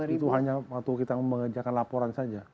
itu hanya waktu kita mengerjakan laporan saja